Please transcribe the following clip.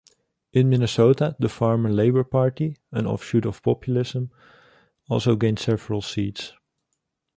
In Minnesota, the Farmer-Labor Party, an offshoot of populism, also gained several seats.